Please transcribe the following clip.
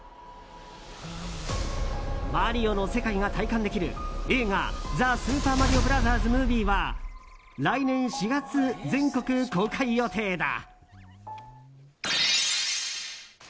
「マリオ」の世界が体感できる映画「ザ・スーパーマリオブラザーズ・ムービー」は来年４月、全国公開予定だ。